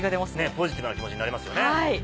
ポジティブな気持ちになりますよね。